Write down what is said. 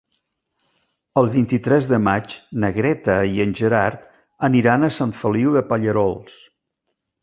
El vint-i-tres de maig na Greta i en Gerard aniran a Sant Feliu de Pallerols.